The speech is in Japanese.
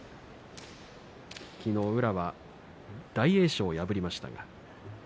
昨日、宇良は大栄翔を破りました。